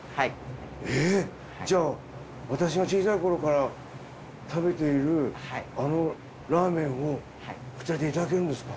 えっじゃあ私が小さい頃から食べているあのラーメンをこちらでいただけるんですか？